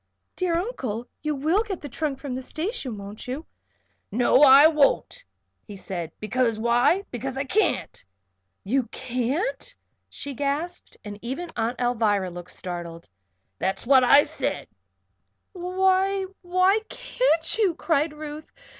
"Dear Uncle! You will get the trunk from the station, won't you?" "No I won't," he said. "Because why? Because I can't." "You can't?" she gasped, and even Aunt Alvirah looked startled. "That's what I said." "Why why can't you?" cried Ruth.